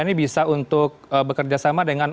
ini bisa untuk bekerja sama dengan